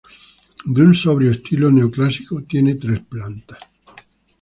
De un sobrio estilo neoclásico, tiene tres pisos.